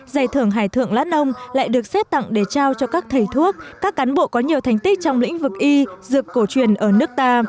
giải thưởng hải thượng lãn ông lại được xét tặng để trao cho các thầy thuốc các cán bộ có nhiều thành tích trong lĩnh vực y dược cổ truyền ở nước ta